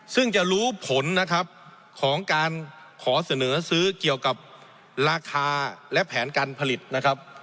ซึ่งจะรู้ผลนะครับของการขอเสนอซื้อเกี่ยวกับราคาและแผนการผลิตนะครับ